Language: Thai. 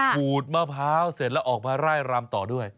ขูดมะพร้าวเสร็จแล้วออกมาไล่รำต่อด้วย